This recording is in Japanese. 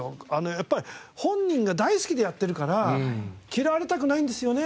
やっぱ本人が大好きでやってるから嫌われたくないんですよね。